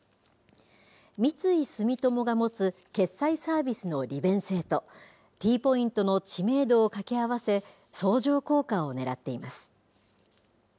三井住友が持つ決済サービスの利便性と、Ｔポイントの知名度を掛け合わせ、相乗効果をねらっています。